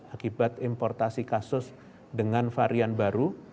akibat importasi kasus dengan varian baru